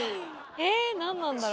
え何なんだろ？